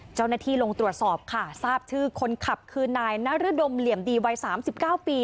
เจ้าหน้าที่ลงตรวจสอบค่ะทราบชื่อคนขับคือนายนรดมเหลี่ยมดีวัย๓๙ปี